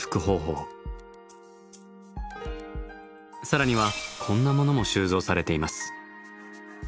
更にはこんなものも収蔵されています。